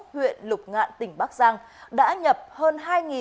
huyện lục ngạn tỉnh bắc giang